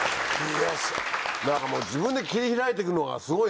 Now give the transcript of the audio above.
何か自分で切り開いて行くのがすごいね。